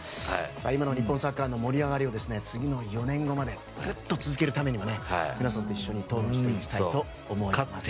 今の日本サッカーの盛り上がりを次の４年後までグッと続けるためにもね皆さんと一緒に討論していきたいと思います。